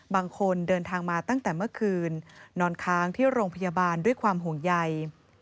บางคนเดินทางมาตั้งแต่เมื่อคืนนอนค้างที่โรงพยาบาลด้วยความห่วงใย